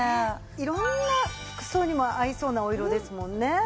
色んな服装にも合いそうなお色ですもんね。